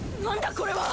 これは！？